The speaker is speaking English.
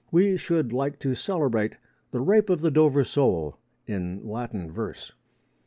We should like to celebrate the Rape of the Dover Sole in Latin verse.